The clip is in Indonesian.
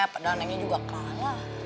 padahal nengnya juga kalah